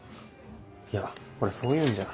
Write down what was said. いや俺そういうんじゃ。